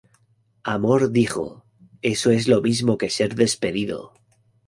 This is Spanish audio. Amor dijo: "eso es lo mismo que ser despedido".